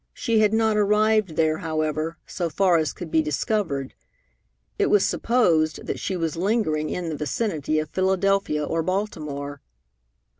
She had not arrived there, however, so far as could be discovered. It was supposed that she was lingering in the vicinity of Philadelphia or Baltimore.